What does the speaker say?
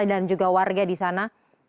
dan juga warga di sana